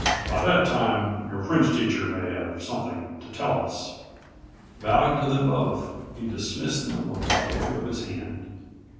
By that time your French teacher may have something to tell us." Bowing to them both, he dismissed them with a wave of his hand.